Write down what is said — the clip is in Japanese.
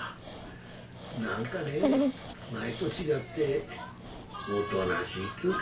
何かね前ど違っておどなしいっつうが。